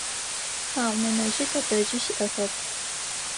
Хьау, нэнэжъи тэтэжъи сиӏэхэп.